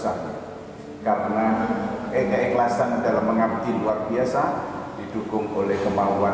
saya merasa kehilangan luar biasa besar karena eka eklasan dalam mengabdi luar biasa didukung oleh kemauan